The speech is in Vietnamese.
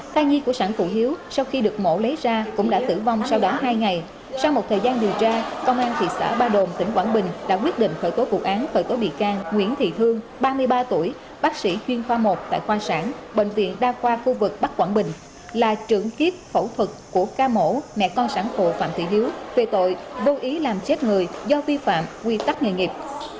thay nhiên của sản phụ hiếu sau khi được mổ lấy ra cũng đã tử vong sau đó hai ngày sau một thời gian điều tra công an thị xã ba đồn tỉnh quảng bình đã quyết định khởi tối cuộc án khởi tối bị can nguyễn thị thương ba mươi ba tuổi bác sĩ chuyên khoa một tại khoa sản bệnh viện đa khoa khu vực bắc quảng bình là trưởng kiếp phẫu thuật của ca mổ mẹ con sản phụ phạm thị hiếu về tội vô ý làm chết người do vi phạm quy tắc nghề nghiệp